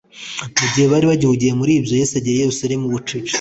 Mu gihe bari bagihugiye muri ibyo Yesu agera i Yerusalemu bucece.